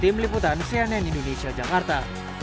tim liputan cnn indonesia jakarta